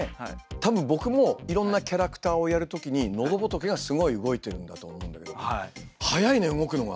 たぶん僕もいろんなキャラクターをやるときにのどぼとけがすごい動いてるんだと思うんだけど速いね動くのが！